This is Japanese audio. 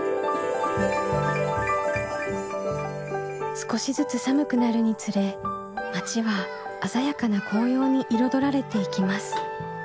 少しずつ寒くなるにつれ町は鮮やかな紅葉に彩られていきます。